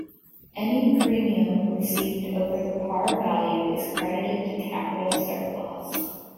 Any premium received over the par value is credited to capital surplus.